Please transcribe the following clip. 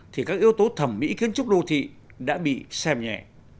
thì các yếu tố thẩm mỹ kiến trúc đô thị đã bị xem nhẹ